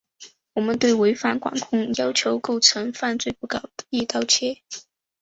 我们对违反管控要求构成犯罪不搞‘一刀切’